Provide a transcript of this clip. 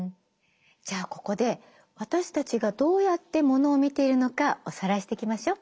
じゃあここで私たちがどうやってものを見ているのかおさらいしてきましょう。